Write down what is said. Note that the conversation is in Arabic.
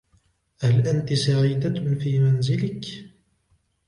هل أنتِ سعيدة في منزلك ؟